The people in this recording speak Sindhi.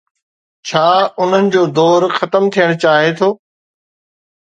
ڇا انهن جو دور ختم ٿيڻ چاهي ٿو؟